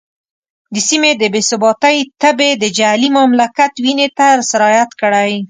د سیمې د بې ثباتۍ تبې د جعلي مملکت وینې ته سرایت کړی.